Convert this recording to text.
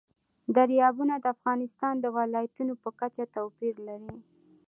دریابونه د افغانستان د ولایاتو په کچه توپیر لري.